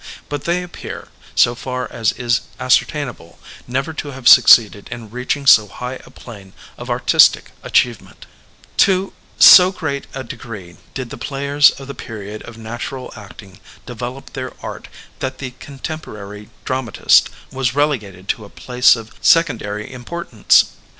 But they appear, so far as is ascertainable, never to have succeeded in reaching so high a plain of artistic achievement To so great a degree did the players of the period of natural acting develop their art that the contem porary dramatist was relegated to a place of sec ondary importance.